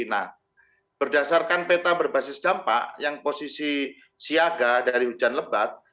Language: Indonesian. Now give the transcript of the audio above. nah berdasarkan peta berbasis dampak yang posisi siaga dari hujan lebat